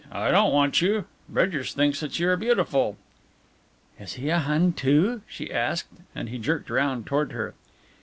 "I don't want you. Bridgers thinks that you are beautiful." "Is he a Hun, too?" she asked, and he jerked round toward her.